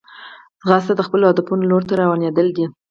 منډه د خپلو هدفونو لور ته روانېدل دي